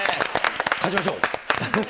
勝ちましょう。